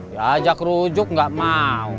ya ajak rujuk gak mau